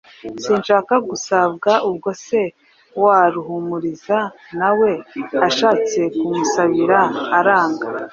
Sinshaka gusabwa. Ubwo se wa Ruhumuriza na we ashatse kumusabira aranga.